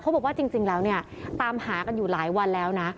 บอกว่าจริงแล้วเนี่ยตามหากันอยู่หลายวันแล้วนะ